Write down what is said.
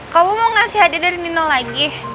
kamu mau ngasih hadiah dari nino lagi